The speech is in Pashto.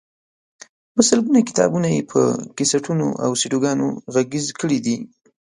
په سلګونو کتابونه یې په کیسټونو او سیډيګانو کې غږیز کړي دي.